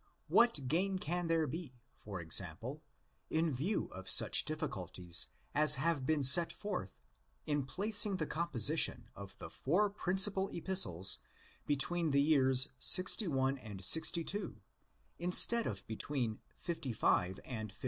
What gain can there be, for example, in view of such difficulties as have been set forth, in placing the composition of the four principal Epistles between the years 61 and 62 instead of between 55 and 59?